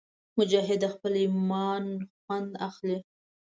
مجاهد د خپل ایمان خوند اخلي.